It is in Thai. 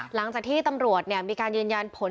หลังจากที่ตำรวจมีการยืนยันผล